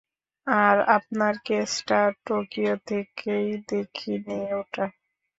আর আপনার কেসটা, টোকিও থেকেই দেখিনি ওটা।